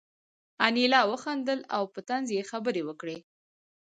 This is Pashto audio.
انیلا وخندل او په طنز یې خبرې وکړې